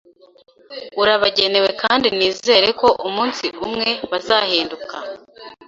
urabagenewe kandi nizera ko umunsi umwe bazahinduka.